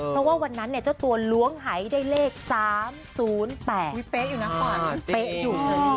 เพราะวันนั้นเนี่ยเจ้าตัวล้วงหายได้เลข๓๐๘มีเป๊ะอยู่นะค่ะจริง